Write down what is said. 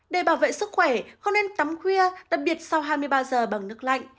để bảo vệ sức khỏe không nên tắm khuya đặc biệt sau hai mươi ba giờ bằng nước lạnh